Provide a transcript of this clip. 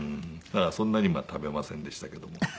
だからそんなにまあ食べませんでしたけども。